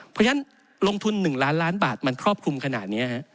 เพราะฉะนั้นลงทุน๑ล้านล้านบาทมันครอบคลุมขนาดนี้